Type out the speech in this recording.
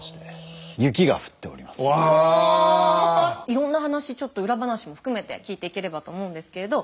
いろんな話ちょっとウラ話も含めて聞いていければと思うんですけれど。